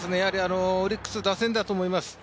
オリックス、打線だと思います